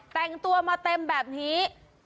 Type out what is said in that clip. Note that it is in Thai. แต่งตัวมาเต็มแบบนี้